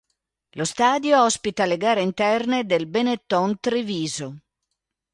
Lo stadio ospita le gare interne del Benetton Treviso.